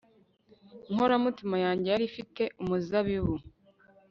inkoramutima yanjye yari ifite umuzabibu